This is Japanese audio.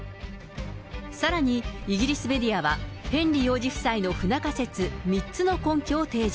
さらに、イギリスメディアはヘンリー王子夫妻の不仲説、３つの根拠を提示。